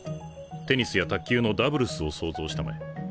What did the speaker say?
テニスや卓球のダブルスを想像したまえ。